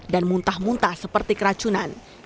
dan muntah muntah seperti keracunan